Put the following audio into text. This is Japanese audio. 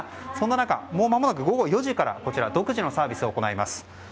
そんな中もうまもなく、午後４時から独自のサービスを始めます。